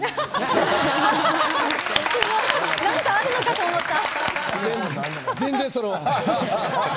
なんかあんのかと思った。